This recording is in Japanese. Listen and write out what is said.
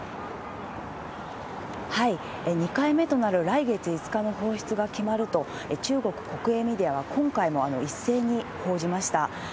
２回目となる来月５日の放出が決まると、中国国営メディアは今回も一斉に報じました。